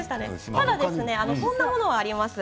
ただこんなものもあります